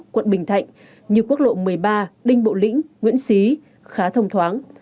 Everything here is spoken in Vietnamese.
quận bình thạnh như quốc lộ một mươi ba đinh bộ lĩnh nguyễn xí khá thông thoáng